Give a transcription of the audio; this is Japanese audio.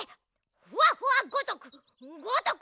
ふわふわごとく。